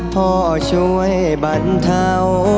พ่อช่วยบรรเทา